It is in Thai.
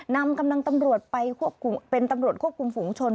นำกำลังตำรวจไปควบคุมเป็นตำรวจควบคุมฝูงชน